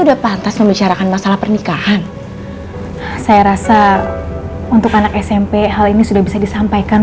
udah pantas membicarakan masalah pernikahan saya rasa untuk anak smp hal ini sudah bisa disampaikan